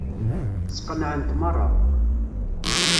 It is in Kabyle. Sqenɛent meṛṛa.